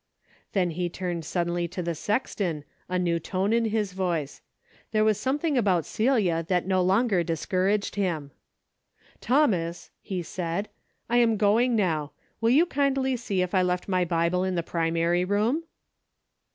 Then he turned suddenly to the sexton, a new tone in his voice. There was something about Celia that no longer discouraged him. A DAILY BATE,^ 333 " Thomas/' he said, '' I am going now. Will you kindly see if I left my Bible in the primary room